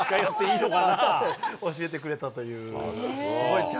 教えてくれたという。